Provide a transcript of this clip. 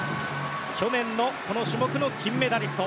去年のこの種目の金メダリスト。